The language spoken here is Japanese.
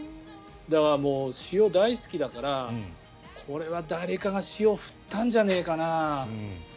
だから塩大好きだからこれは誰かが塩を振ったんじゃないかな。